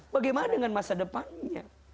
bagaimana dengan masa depannya